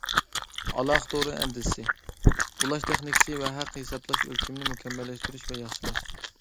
ئالاقە تورى ئەندىزىسى، ئۇلاش تېخنىكىسى ۋە ھەق ھېسابلاش ئۆلچىمىنى مۇكەممەللەشتۈرۈش ۋە ياخشىلاش.